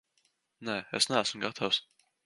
Nē, es neesmu gatavs.